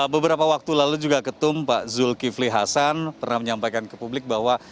beberapa waktu lalu juga ketum pak zulkifli hasan pernah menyampaikan ke publik bahwa